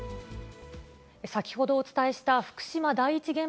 先ほどお伝えした福島第一原